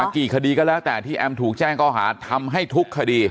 กี่คดีก็แล้วแต่ที่แอมถูกแจ้งข้อหาทำให้ทุกคดี